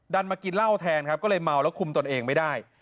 มากินเหล้าแทนครับก็เลยเมาแล้วคุมตนเองไม่ได้